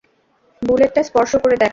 বুলেটটা স্পর্শ করে দেখো।